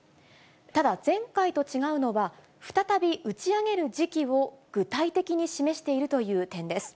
ただ、前回と違うのは、再び打ち上げる時期を具体的に示しているという点です。